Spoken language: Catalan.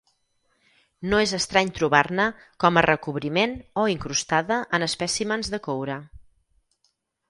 No és estrany trobar-ne com a recobriment o incrustada en espècimens de coure.